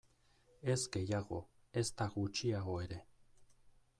Ez gehiago, ezta gutxiago ere.